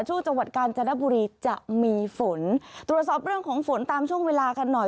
จังหวัดกาญจนบุรีจะมีฝนตรวจสอบเรื่องของฝนตามช่วงเวลากันหน่อย